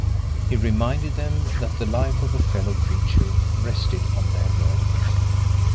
He reminded them that the life of a fellow creature rested on their verdict.